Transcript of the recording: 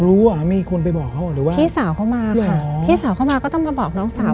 รู้อ่ะมีคนไปบอกเขาหรือว่าพี่สาวเข้ามาค่ะพี่สาวเข้ามาก็ต้องมาบอกน้องสาว